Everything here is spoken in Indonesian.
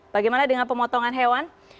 bagaimana dengan pemotongan hewan